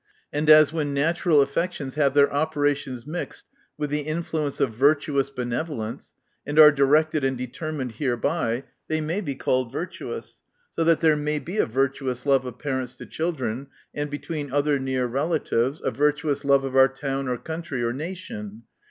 And as when natural affections have their operations mixed with the influence of virtuous benevolence, and are directed and determined hereby, they may be called virtuous, so there may be a virtuous love of parents to children, and ,between other near relatives, a virtuous love of our town, or country, or nation.